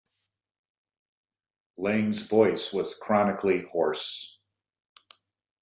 Lang's voice was chronically hoarse.